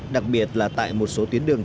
đặc biệt là tại một số tuyến đường